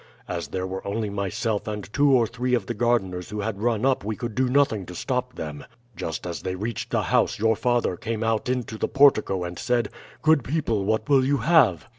As there were only myself and two or three of the gardeners who had run up we could do nothing to stop them. Just as they reached the house your father came out into the portico and said, 'Good people, what will you have?'